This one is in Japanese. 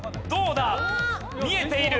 見えている。